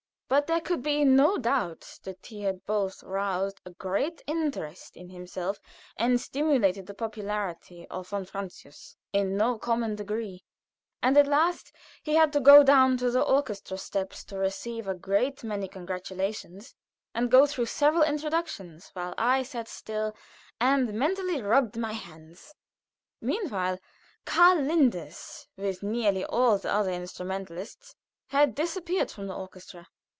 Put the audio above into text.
But there could be no doubt that he had both roused a great interest in himself and stimulated the popularity of von Francius in no common degree. And at last he had to go down the orchestra steps to receive a great many congratulations, and go through several introductions, while I sat still and mentally rubbed my hands. Meanwhile Karl Linders, with nearly all the other instrumentalists, had disappeared from the orchestra.